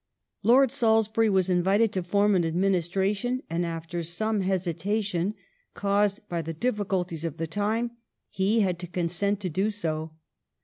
Lord Salisbury was invited to form an adminis tration, and after some hesitation, caused by the difficulties of the time, he had to consent to do so.